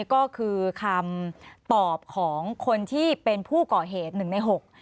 ก็คือคำตอบของคนที่เป็นผู้ก่อเหตุหนึ่งในหก